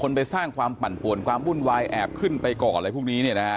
มีคนไปสร้างความปั่นปวลความมุ่นวายแอบขึ้นไปก่อนและพรุ่งนี้